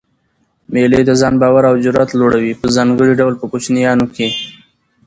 مېلې د ځان باور او جرئت لوړوي؛ په ځانګړي ډول په کوچنيانو کښي.